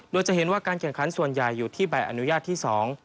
โดยจะเห็นว่าการแข่งขันส่วนใหญ่อยู่ที่ใบอนุญาตที่๒